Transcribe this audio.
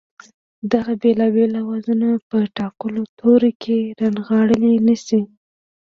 دغه بېلابېل آوازونه په ټاکلو تورو کې رانغاړلای نه شي